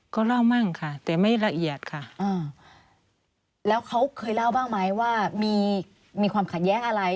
ก็เล่ามั่งค่ะแต่ไม่ละเอียดค่ะแล้วเขาเคยเล่าบ้างไหมว่ามีความขัดแย้งอะไร